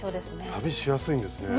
旅しやすいんですね。